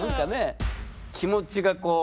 気持ちがこう。